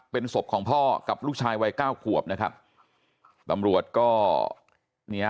เป็นศพของพ่อกับลูกชายวัยเก้าขวบนะครับตำรวจก็เนี่ย